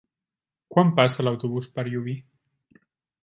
Quan passa l'autobús per Llubí?